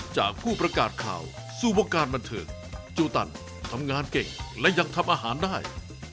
จากผู้ประกาศข่าวสู่วงการบันเทิงจูตันทำงานเก่งและยังทำอาหารได้